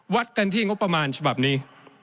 วัดกันที่งบประมาณฉบับนี้